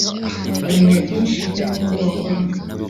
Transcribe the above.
bamenya byinshi byo mu ngo bakoramo